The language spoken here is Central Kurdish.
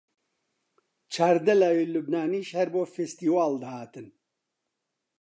چاردە لاوی لوبنانیش هەر بۆ فستیواڵ دەهاتن